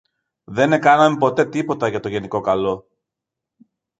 δεν εκάναμε ποτέ τίποτα για το γενικό καλό.